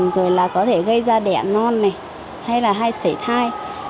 rồi có thể gây ra đẻ non hay sể thai